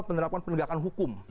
penerapan penegakan hukum